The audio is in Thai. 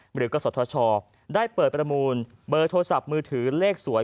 กศธชได้เปิดประมูลเบอร์โทรศัพท์มือถือเลขสวย